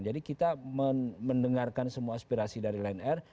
jadi kita mendengarkan semua aspirasi dari lion air